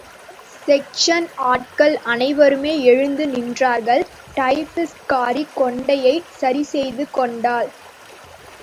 Section ஆட்கள் அனைவருமே எழுந்து நின்றார்கள் டைப்பிஸ்ட்காரி கொண்டையை சரிசெய்து கொண்டாள்.